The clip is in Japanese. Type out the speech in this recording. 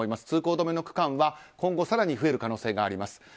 通行止めの区間は今後、更に増える可能性があります。